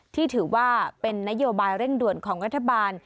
ที่ถือว่าเป็นนโยบายเร่งด่วนของรัฐบาล